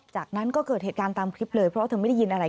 จากนั้นก็เกิดเหตุการณ์ตามคลิปเลยเพราะเธอไม่ได้ยินอะไร